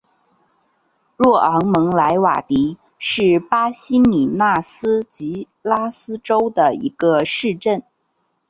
若昂蒙莱瓦迪是巴西米纳斯吉拉斯州的一个市镇。